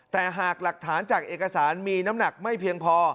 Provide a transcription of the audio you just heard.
แต่หากหลักฐานจากเอกสารมีน้ำหนักไม่เพียงพอ